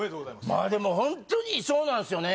まあでもホントにそうなんすよね